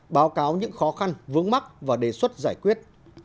báo cáo những khó khăn vướng mắt và đề xuất giải quyết